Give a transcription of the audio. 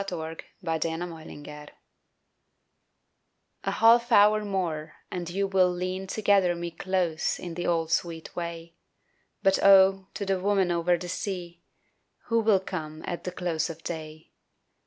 DUSK IN WAR TIME A HALF HOUR more and you will lean To gather me close in the old sweet way But oh, to the woman over the sea Who will come at the close of day?